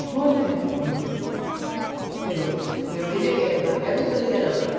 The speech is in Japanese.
けど作り置きできへんから焼き続けなあ